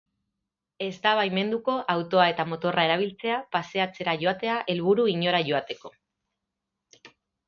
Ez da baimenduko autoa eta motorra erabiltzea paseatzera joatea helburu inora joateko.